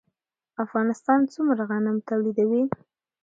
افغانستان څومره غنم تولیدوي؟